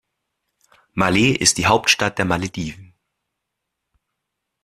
Malé ist die Hauptstadt der Malediven.